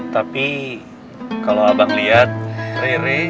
tapi kalau abang lihat rere